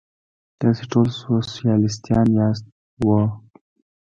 تاسې ټول سوسیالیستان یاست؟ هو.